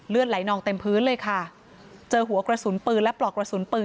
ไหลนองเต็มพื้นเลยค่ะเจอหัวกระสุนปืนและปลอกกระสุนปืน